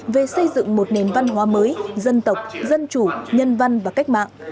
về xây dựng một nền văn hóa mới dân tộc dân chủ nhân văn và cách mạng